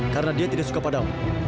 karena dia tidak suka padamu